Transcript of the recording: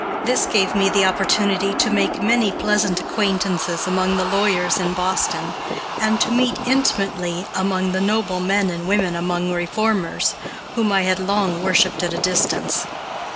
This gave me the opportunity to make many pleasant acquaintances among the lawyers in Boston, and to meet, intimately, many of the noble men and women among reformers, whom I had long worshiped at a distance.